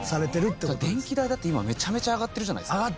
電気代だって今めちゃめちゃ上がってるじゃないですか。